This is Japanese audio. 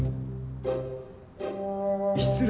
失礼。